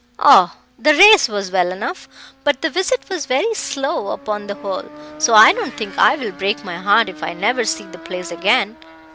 "Oh! the race was well enough, but the visit was very slow upon the whole, so I don't think I will break my heart if I never see the place again.